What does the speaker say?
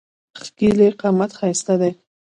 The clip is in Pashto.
ښکېلی قامت ښایسته دی.